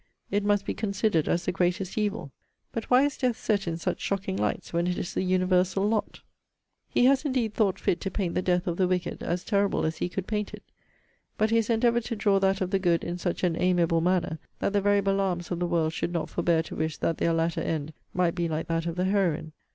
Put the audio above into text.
It must be considered as the greatest evil. But why is death set in such shocking lights, when it is the universal lot? He has, indeed, thought fit to paint the death of the wicked, as terrible as he could paint it. But he has endeavoured to draw that of the good in such an amiable manner, that the very Balaams of the world should not forbear to wish that their latter end might be like that of the heroine.